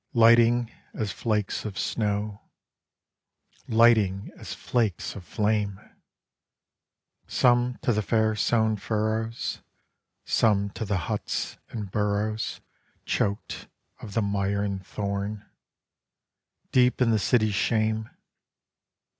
Lighting, as flakes of snow; Lighting, as flakes of flame; Some to the fair sown furrows; Some to the huts and burrows Choked of the mire and thorn, Deep in the city's shame.